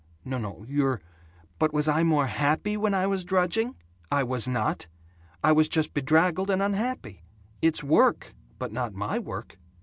"N no, you're " "But was I more happy when I was drudging? I was not. I was just bedraggled and unhappy. It's work but not my work.